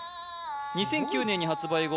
２００９年に発売後